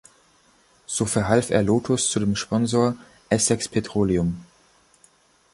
So verhalf er Lotus zu dem Sponsor Essex Petroleum.